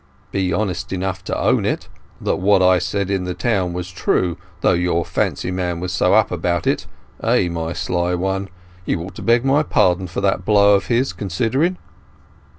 "Be honest enough to own it, and that what I said in the town was true, though your fancy man was so up about it—hey, my sly one? You ought to beg my pardon for that blow of his, considering."